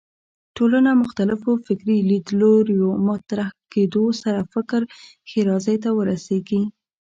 ټولنه مختلفو فکري لیدلوریو مطرح کېدو سره فکر ښېرازۍ ته ورسېږي